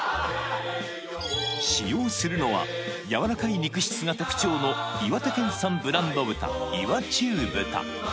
使用するのはやわらかい肉質が特徴の岩手県産ブランド豚岩中豚